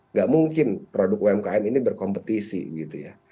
nggak mungkin produk umkm ini berkompetisi gitu ya